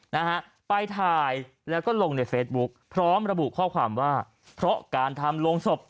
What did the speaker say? นะฮะไปถ่ายแล้วก็ลงในเฟซบุ๊คพร้อมระบุข้อความว่าเพราะการทำโรงศพ